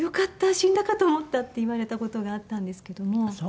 死んだかと思った」って言われた事があったんですけども。